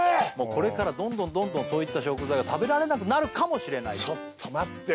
これからどんどんどんどんそういった食材が食べられなくなるかもしれないちょっと待ってよ